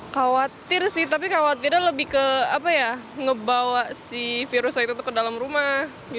khawatir sih tapi khawatirnya lebih ke apa ya ngebawa si virus itu ke dalam rumah